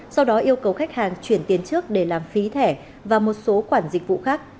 sau đó yêu cầu khách hàng chuyển tiền trước để làm phí thẻ và một số quản dịch vụ khác